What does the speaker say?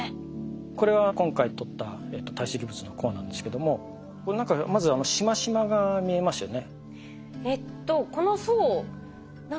これは今回取った堆積物のコアなんですけどもこれ何かまずしましまが見えますよね。